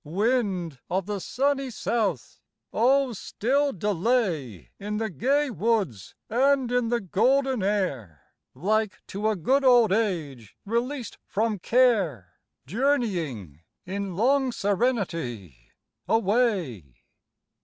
Wind of the sunny south! oh still delay In the gay woods and in the golden air, Like to a good old age released from care, Journeying, in long serenity, away.